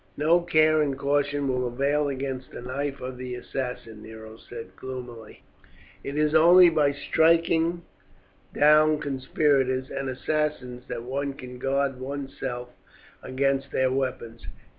"No care and caution will avail against the knife of the assassin," Nero said gloomily. "It is only by striking down conspirators and assassins that one can guard one's self against their weapons.